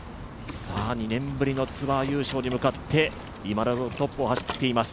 ２年ぶりのツアー優勝に向かって今トップを走っています。